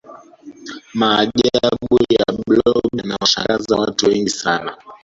maajabu ya blob yanawashangaza watu wengi sana